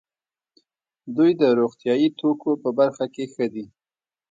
دوی د روغتیايي توکو په برخه کې ښه دي.